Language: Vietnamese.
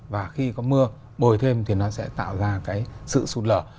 và khi có mưa bồi thêm thì nó sẽ tạo ra cái sự sụt lở